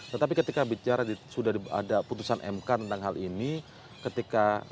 tetapi ketika bicara sudah ada putusan mk tentang hal ini ketika